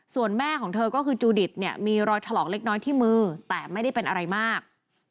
ส่วนแม่ของเธอก็คือจูดิตเนี่ยมีรอยถลอกเล็กน้อยที่มือแต่ไม่ได้เป็นอะไรมาก